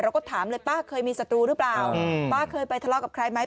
เราก็ถามเลยป้าเคยมีศัตรูหรือเปล่าป้าเคยไปทะเลาะกับใครไหม